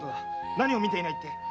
何を見ていないって？